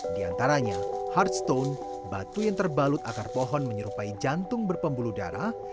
di antaranya hard stone batu yang terbalut akar pohon menyerupai jantung berpembuluh darah